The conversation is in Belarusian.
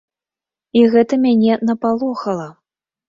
І гэта мяне напалохала.